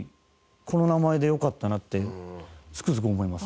この名前でよかったなってつくづく思います。